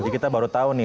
jadi kita baru tahu nih